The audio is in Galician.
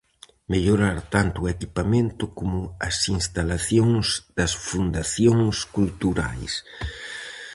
Mellorar tanto o equipamento como as instalacións das fundacións culturais.